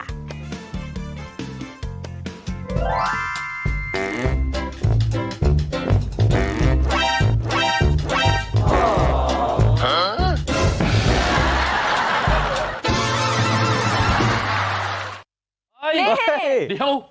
เฮ้ยเดี๋ยว